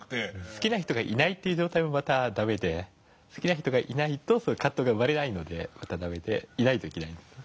好きな人がいないという状態もまた駄目で好きな人がいないと葛藤が生まれないのでいないといけないんです。